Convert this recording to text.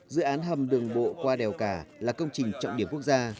dự án hầm đường bộ qua đèo cả là công trình trọng điểm quốc gia